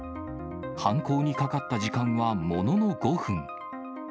犯行にかかった時間はものの５分。